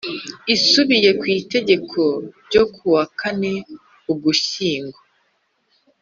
Isubiye ku Itegeko ryo ku wa kane Ugushyingo